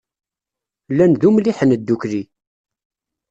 Llan d umliḥen ddukkli.